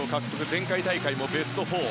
前回大会もベスト４。